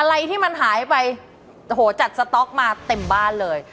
อะไรที่มันหายไปโอ้โหจัดสต๊อกมาเต็มบ้านเลย